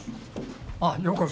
あっようこそ。